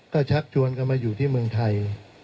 ก็ชักชวนกันมาอยู่ที่เมืองไทย